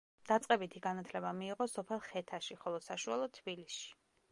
დაწყებითი განათლება მიიღო სოფელ ხეთაში, ხოლო საშუალო თბილისში.